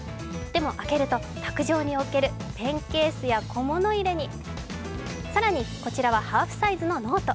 でも開けると卓上に置けるペンケースや小物入れに更に、こちらはハーフサイズのノート。